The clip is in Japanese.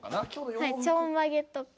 はいちょんまげとか。